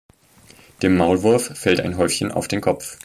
Dem Maulwurf fällt ein Häufchen auf den Kopf.